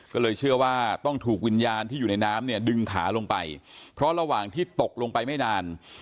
ก็เลยเชื่อว่าต้องถูกวิญญาณที่อยู่ในน้ำเนี่ยดึงขาลงไปเพราะระหว่างที่ตกลงไปไม่นาน